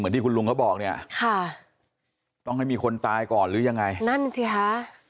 ที่คุณลุงเขาบอกเนี่ยค่ะต้องให้มีคนตายก่อนหรือยังไงนั่นสิคะ